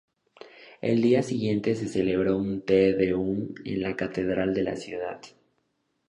El día siguiente se celebró un Te Deum en la catedral de la ciudad.